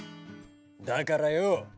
だからよ